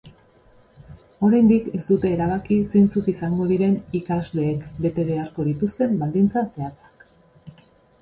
Oraindik ez dute erabaki zeintzuk izango diren ikasleek bete beharko dituzten baldintza zehatzak.